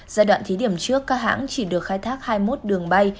giai đoạn thí điểm trước các hãng chỉ được khai thác hai mươi một đường bay